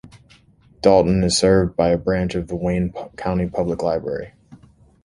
Dalton is served by a branch of the Wayne County Public Library.